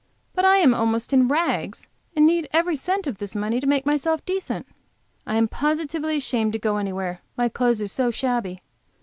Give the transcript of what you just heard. But I am almost in rags, and need every cent of this money to make myself decent. I am positively ashamed to go anywhere, my clothes are so shabby.